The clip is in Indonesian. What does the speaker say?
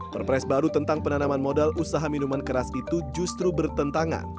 perpres baru tentang penanaman modal usaha minuman keras itu justru bertentangan